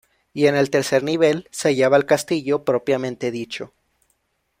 Y en el tercer nivel se hallaba el castillo propiamente dicho.